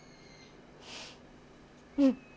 うん。